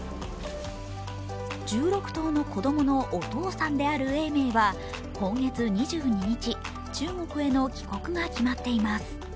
１６頭の子供のお父さんである永明は今月２２日、中国への帰国が決まっています。